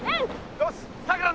よしさくら